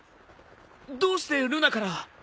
どうしてルナから。